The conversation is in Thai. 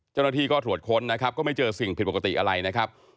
เจ้าหน้าที่ก็ตรวจค้นนะครับก็ไม่เจอสิ่งผิดปกติอะไรนะครับ